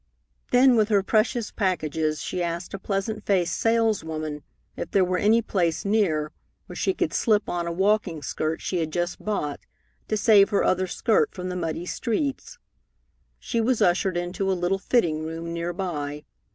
Then with her precious packages she asked a pleasant faced saleswoman if there were any place near where she could slip on a walking skirt she had just bought to save her other skirt from the muddy streets. She was ushered into a little fitting room near by.